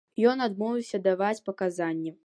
Ён адмовіўся даваць паказанні.